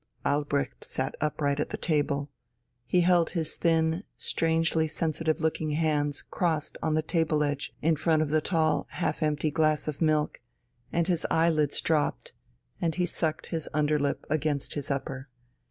Albrecht sat upright at the table. He held his thin, strangely sensitive looking hands crossed on the table edge in front of the tall, half empty glass of milk, and his eyelids dropped, and he sucked his underlip against his upper.